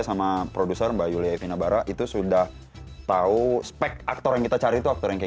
sama produser mbak yulia evina bara itu sudah tahu spek aktor yang kita cari itu aktor yang kayak